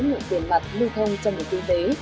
nguồn tiền mặt lưu thông cho nguồn tiền tế